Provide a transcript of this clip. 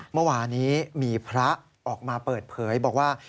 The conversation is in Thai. เมื่อวานี้มีพระออกมาเปิดเผยบอกว่า